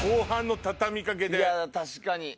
確かに。